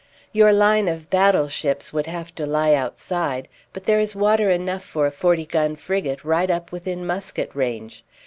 "Your line of battleships would have to lie outside; but there is water enough for a forty gun frigate right up within musket range.